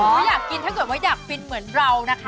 ถ้าอยากกินถ้าเกิดว่าอยากฟินเหมือนเรานะคะ